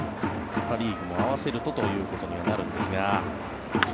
パ・リーグも合わせるとということにはなるんですが。